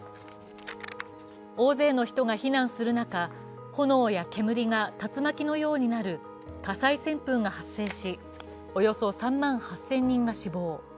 大勢の人が避難する中、炎や煙が竜巻のようになる火災旋風が発生し、およそ３万８０００人が死亡。